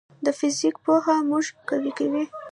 د فزیک پوهه موږ قوي کوي.